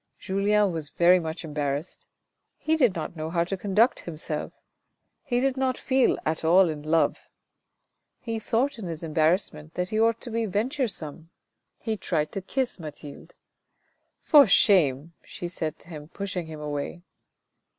Julien was very much embarrassed. He did not know how to conduct himself. He did not feel at all in love. He thought in his embarrassment that he ought to be venture some. He tried to kiss Mathilde. " For shame," she said to him, pushing him away.